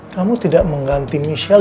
kamu tidak mengganti michelle